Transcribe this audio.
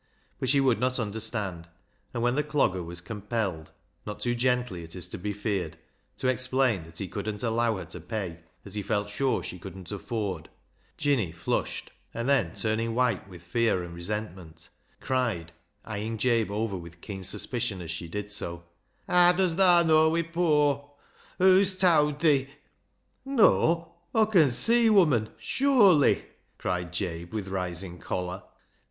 But she would not understand, and when the Clogger was compelled — not too gently, it is to be feared — to explain that he couldn't allow her to pay, as he felt sure she couldn't afford, Jinny flushed, and then turning white with fear and resentment, cried, eyeing Jabe over with keen suspicion as she did so —" Haa does thaa know we're poor ? Whoas towd thi ?"" Know ? Aw con see, woman, sure// !" cried Jabe, with rising choler.